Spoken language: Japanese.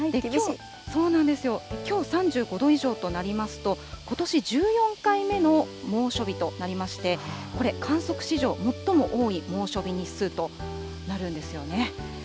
そうなんですよ、きょう、３５度以上となりますと、ことし１４回目の猛暑日となりまして、これ、観測史上最も多い猛暑日日数となるんですよね。